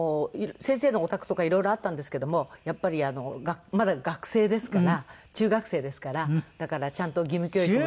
先生のお宅とか色々あったんですけどもやっぱりまだ学生ですから中学生ですからだからちゃんと義務教育。